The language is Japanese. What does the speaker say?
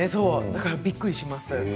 だからびっくりしますよ。